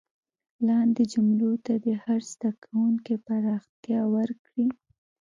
لاندې جملو ته دې هر زده کوونکی پراختیا ورکړي.